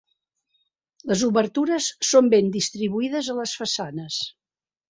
Les obertures són ben distribuïdes a les façanes.